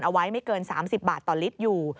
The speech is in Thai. เอาไว้ไม่เกิน๓๐บาทต่อลิตรอยู่